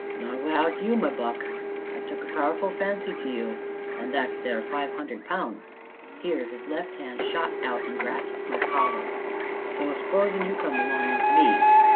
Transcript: "Not wi'out you, my buck! I've took a powerful fancy to you, and that there five hundred pounds" here his left hand shot out and grasped my collar "so s'posin' you come along o' me.